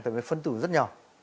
tại vì phân tử rất nhỏ